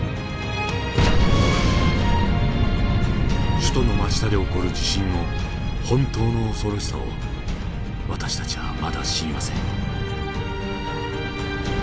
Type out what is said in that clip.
首都の真下で起こる地震の本当の恐ろしさを私たちはまだ知りません。